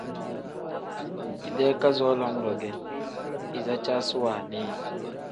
Idee kazoo lam-ro ge izicaasi wannii yi.